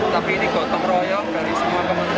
tapi ini gotong royong dari semua kementerian